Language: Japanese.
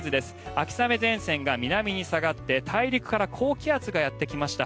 秋雨前線が南に下がって大陸から高気圧がやってきました。